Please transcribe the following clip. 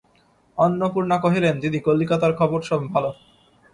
অন্নপূর্ণা কহিলেন, দিদি, কলিকাতার খবর সব ভালো।